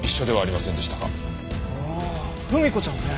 ああふみ子ちゃんね。